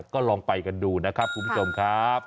ก็ลองไปกันดูนะครับคุณผู้ชมครับ